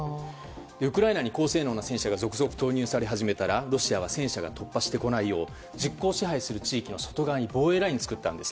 ウクライナに高性能な戦車が続々投入され始めたらロシアは戦車が突破してこないよう実効支配する地域の外側に防衛ラインを作ったんです。